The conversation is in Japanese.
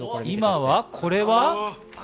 今は、これは？